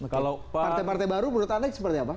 kalau partai partai baru menurut anda seperti apa